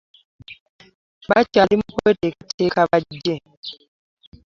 Bakyali mu kweteekateeka bajje.